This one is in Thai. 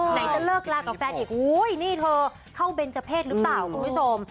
ไหนจะเลิกลากับแฟนอีกอุ้ยนี่เธอเข้าเบนเจอร์เพศหรือเปล่าคุณผู้ชม